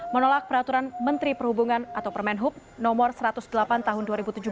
menolak peraturan menteri perhubungan atau permen hub no satu ratus delapan tahun dua ribu tujuh belas